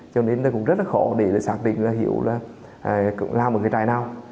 cho nên cũng rất khó để xác định hiểu là làm một cái trại nào